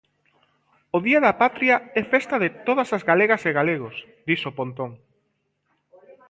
"O Día da Patria é festa de todas as galegas e galegos", dixo Pontón.